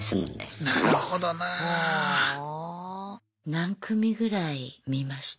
何組ぐらい見ました？